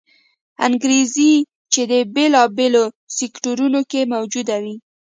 انګېزې چې د بېلابېلو سکتورونو کې موجودې وې